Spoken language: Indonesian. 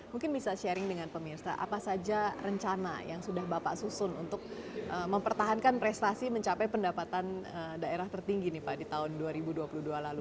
mungkin bisa sharing dengan pemirsa apa saja rencana yang sudah bapak susun untuk mempertahankan prestasi mencapai pendapatan daerah tertinggi nih pak di tahun dua ribu dua puluh dua lalu